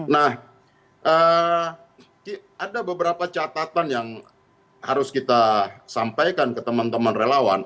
nah ada beberapa catatan yang harus kita sampaikan ke teman teman relawan